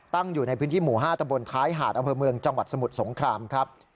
อยู่ในพื้นที่หมู่๕ตะบนท้ายหาดอำเภอเมืองจังหวัดสมุทรสงครามครับ